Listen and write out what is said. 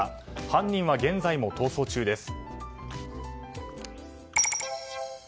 犯人は現在も逃走中です。